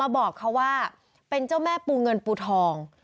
บอกเขาว่าเป็นเจ้าแม่ปูเงินปูทอง